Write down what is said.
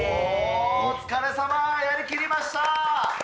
お疲れさま、やり切りました！